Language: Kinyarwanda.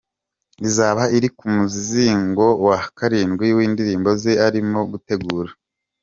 Izaba iri ku muzingo wa karindwi w’indirimbo ze arimo gutegura.